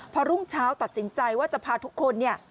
พอรุ่งเช้าตัดสินใจว่าจะพาทุกคนเนี่ย